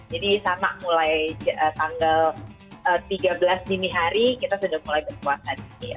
jadi sama mulai tanggal tiga belas dini hari kita sudah mulai berpuasa